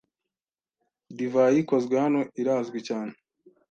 Divayi ikozwe hano irazwi cyane.